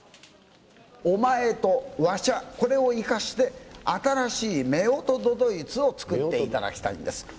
お前とわしゃ、これを生かして新しい夫婦都々逸を作っていただきたいんです。